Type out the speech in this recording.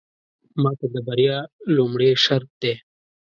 ماته د بريا لومړې شرط دی.